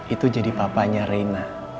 itu jadi papanya reina